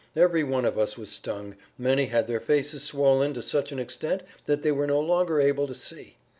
Every one of us was stung; many had their faces swollen to such an extent that they were no longer able to see.